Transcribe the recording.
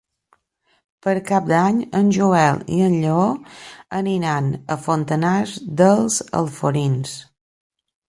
Per Cap d'Any en Joel i en Lleó aniran a Fontanars dels Alforins.